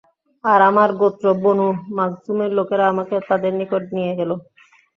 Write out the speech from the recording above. আর আমার গোত্র বনু মাখযূমের লোকেরা আমাকে তাদের নিকট নিয়ে গেল।